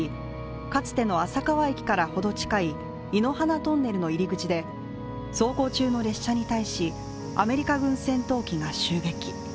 かつての浅川駅からほど近いほど近い、湯の花トンネルの入り口で走行中の列車に対しアメリカ軍戦闘機が襲撃。